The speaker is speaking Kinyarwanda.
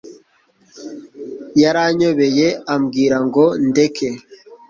yaranyobeye ambwira ngo ndeke